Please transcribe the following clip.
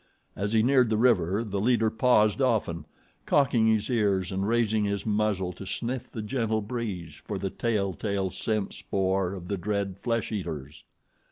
As he neared the river, the leader paused often, cocking his ears and raising his muzzle to sniff the gentle breeze for the tell tale scent spoor of the dread flesh eaters.